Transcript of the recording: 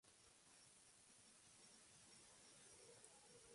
Este primer zigurat se dedicó al dios de la luna sumerio, Nanna o Sin.